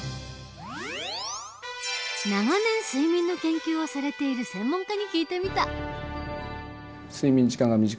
長年睡眠の研究をされている専門家に聞いてみた。